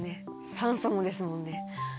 酸素もですもんね。